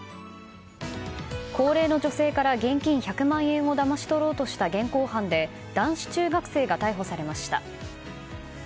高齢の女性から現金１００万円をだまし取ろうとした現行犯で男子中学生が逮捕されました。